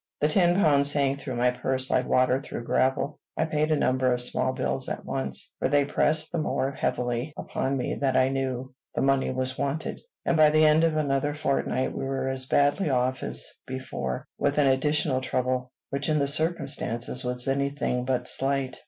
The ten pounds sank through my purse like water through gravel. I paid a number of small bills at once, for they pressed the more heavily upon me that I knew the money was wanted; and by the end of another fortnight we were as badly off as before, with an additional trouble, which in the circumstances was any thing but slight.